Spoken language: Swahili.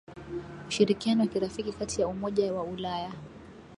ushirikiano wa kirafiki kati ya Umoja wa Ulaya